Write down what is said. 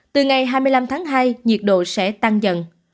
từ ngày hai mươi năm tháng hai nhiệt độ sẽ tăng dần